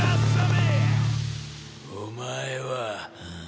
お前は。